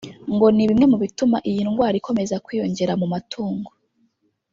ngo ni bimwe mu bituma iyi ndwara ikomeza kwiyongera mu matungo